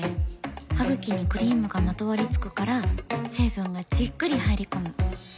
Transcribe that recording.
ハグキにクリームがまとわりつくから成分がじっくり入り込む。